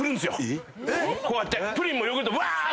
こうやってプリンもヨーグルトもうわーっ！